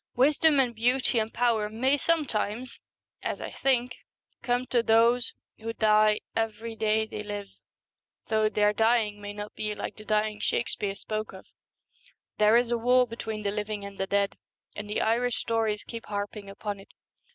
Wisdom and beauty and power may sometimes, as I think, come to those who die every day they live, though their dying may not be like the dying Shakespeare spoke of. There is a war between the living and the dead, and the Irish stories keep harping upon it.